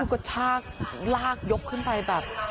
กระชากลากยกขึ้นไปแบบ